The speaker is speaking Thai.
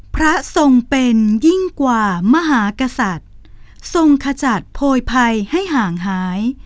พระทรงเป็นยิ่งกว่ามหากษัตริย์ทรงขจัดโพยภัยให้ห่างหาย